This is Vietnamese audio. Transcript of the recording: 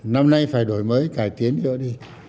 năm nay phải đổi mới cải tiến nữa đi